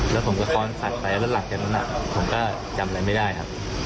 แล้วผมก็ค้อนขัดไปแล้วหลังจากนั้นผมก็จำอะไรไม่ได้ครับ